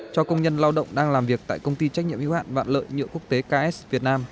cho công nhân lao động đang làm việc tại công ty trách nhiệm hiếu hạn vạn lợi nhựa quốc tế ks việt nam